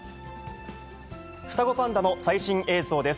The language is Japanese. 双子パンダの最新映像です。